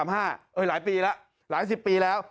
หลายปีแล้วหลายสิบปีแล้ว